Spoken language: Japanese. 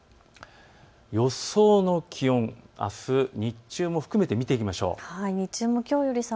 予想の気温、あす日中も含めて見ていきましょう。